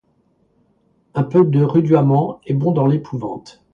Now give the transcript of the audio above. Un peu de rudoiement est bon dans l'épouvante.